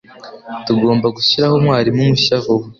Tugomba gushyiraho umwarimu mushya vuba.